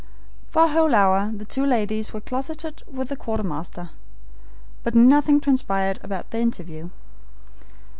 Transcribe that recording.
For a whole hour the two ladies were closeted with the quartermaster, but nothing transpired about their interview.